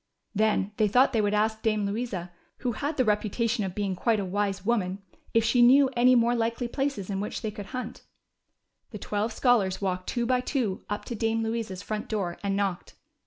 Then they thought they Avovdd ask Dame Louisa, who had the reputation of being quite a Avise 258 THE CHILDREN'S WONDER BOOK. woman, if she knew of any more likely places in which they could hunt. The twelve scholars walked two by two up to Dame Louisa's front door, and knocked.